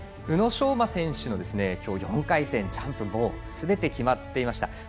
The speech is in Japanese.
宇野昌磨選手の今日、４回転ジャンプはすべて決まっていました。